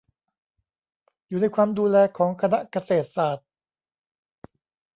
อยู่ในความดูแลของคณะเกษตรศาสตร์